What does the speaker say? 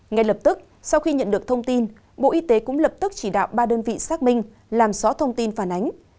ngay lập tức sau khi nhận được thông tin bộ y tế cũng lập tức chỉ đạo ba đơn vị xác minh làm rõ thông tin phản ánh